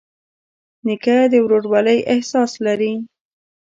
نیکه د ورورولۍ احساس لري.